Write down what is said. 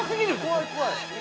怖い怖い。